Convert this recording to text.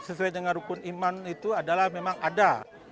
sesuai dengan rukun iman itu adalah memang ada